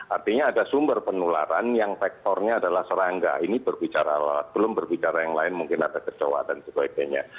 artinya ada sumber penularan yang faktornya adalah serangga ini berbicara belum berbicara yang lain mungkin ada kecewa dan sebagainya